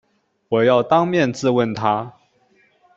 我要当面质问他